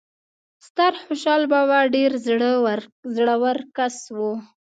ستر خوشال بابا ډیر زړه ور کس وو